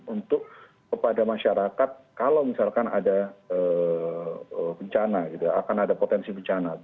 untuk kepada masyarakat kalau misalkan ada bencana gitu akan ada potensi bencana